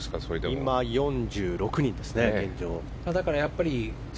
今、４６人ですね。